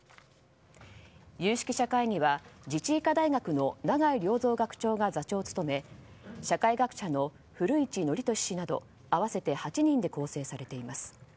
有識者会議は自治医科大学の永井良三学長が座長を務め社会学者の古市憲寿氏など合わせて８人で構成されています。